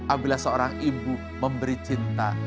apabila seorang ibu memberi cinta